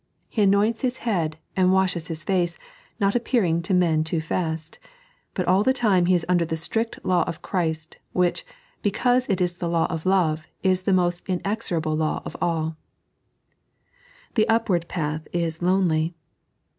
He anoints his head, and washes his face, not appearing to men to fast ; but all the time he is under the strict law of Christ, which, because it is tiie law of love, is the most inexorable law of aU. The vpwaard path is lonely